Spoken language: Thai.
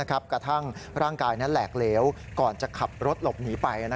กระทั่งร่างกายนั้นแหลกเหลวก่อนจะขับรถหลบหนีไป